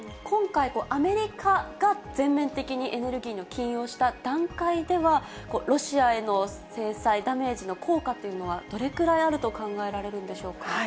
今回、アメリカが全面的にエネルギーの禁輸をした段階では、ロシアへの制裁、ダメージの効果というのは、どれくらいあると考えられるんでしょうか。